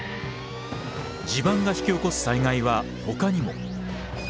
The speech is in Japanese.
地盤が引き起こす災害はほかにも。